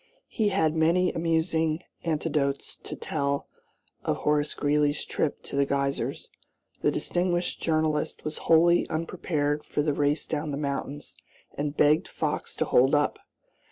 He had many amusing anecdotes to tell of Horace Greeley's trip to the Geysers. The distinguished journalist was wholly unprepared for the race down the mountains and begged Fox to hold up.